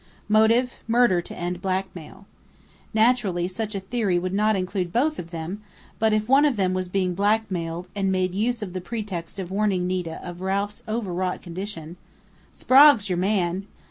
Motive: murder to end blackmail. Naturally such a theory would not include both of them, but if one of them was being blackmailed and made use of the pretext of warning Nita of Ralph's overwrought condition " "Sprague's your man!"